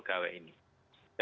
untuk meneruskan upaya upaya